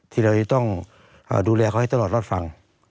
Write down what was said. ที่เราจะต้องดูแลเขาให้ตลอดรอดฟัง